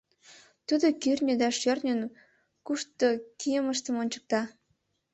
Тудо кӱртньӧ да шӧртньын кушто кийымыштым ончыкта.